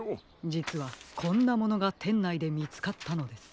じつはこんなものがてんないでみつかったのです。